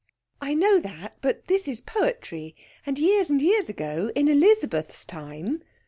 'I know that; but this is poetry, and years and years ago, in Elizabeth's time.'